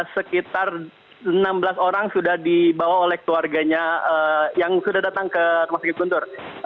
sekitar enam belas orang sudah dibawa oleh keluarganya yang sudah datang ke rumah sakit guntur